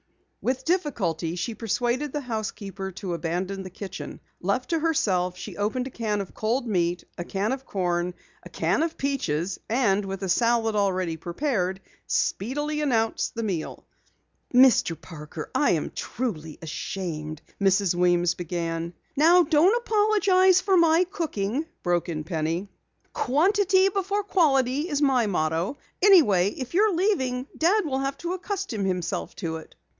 With difficulty she persuaded the housekeeper to abandon the kitchen. Left to herself, she opened a can of cold meat, a can of corn, a can of peaches, and with a salad already prepared, speedily announced the meal. "Mr. Parker, I truly am ashamed " Mrs. Weems began. "Now don't apologize for my cooking," broke in Penny. "Quantity before quality is my motto. Anyway, if you are leaving, Dad will have to accustom himself to it."